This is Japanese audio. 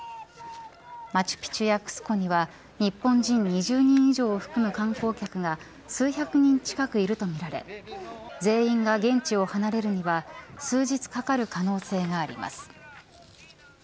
マチュピチュやクスコには日本人２０人以上を含む観光客が数百人近くいるとみられ全員が現地を離れるには数日かかる可能性があります。